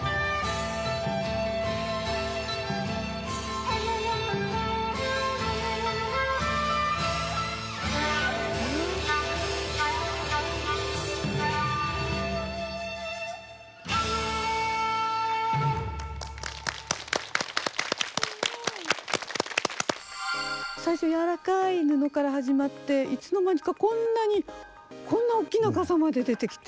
すごい！最初柔らかい布から始まっていつの間にかこんなにこんなおっきな傘まで出てきて。